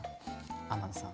天野さん。